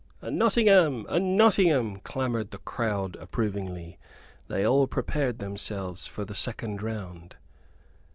"A Nottingham! A Nottingham!" clamored the crowd, approvingly. Then all prepared themselves for the second round.